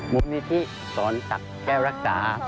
มูลนิธิสอนศักดิ์แก้วรักษา